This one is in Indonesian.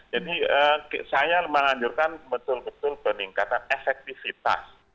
jadi saya menganjurkan betul betul peningkatan efektifitas